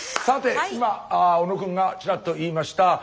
さて今小野くんがちらっと言いました